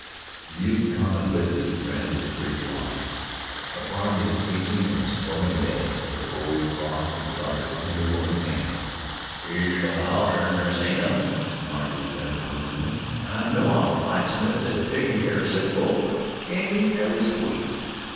The youth contemplated his friend with grateful eyes. Upon his aching and swelling head the cold cloth was like a tender woman's hand. "Yeh don't holler ner say nothin'," remarked his friend approvingly. "I know I'm a blacksmith at takin' keer 'a sick folks, an' yeh never squeaked.